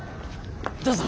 どうぞ。